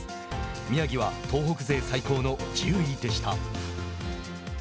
宮城は東北勢最高の１０位でした。